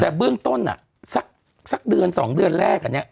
แต่เบื้องต้นสักเดือน๒เดือนแรกอันนี้